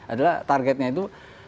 adalah targetnya itu